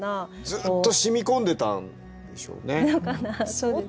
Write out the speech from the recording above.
ずっと染み込んでたんでしょうね。